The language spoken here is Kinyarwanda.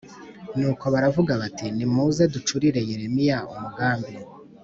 Nuko baravuga bati nimuze ducurire Yeremiya umugambi